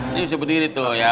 ini bisa berdiri tuh ya